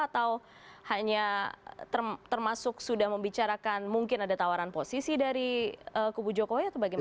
atau hanya termasuk sudah membicarakan mungkin ada tawaran posisi dari kubu jokowi atau bagaimana